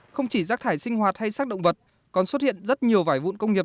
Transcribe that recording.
không chỉ rác thải sinh hoạt hay sắc động vật còn xuất hiện rất nhiều vải vụn công nghiệp